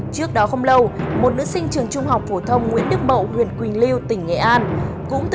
trước đó không lâu một nữ sinh trường trung học phổ thông nguyễn đức mậu huyện quỳnh lưu tỉnh nghệ an cũng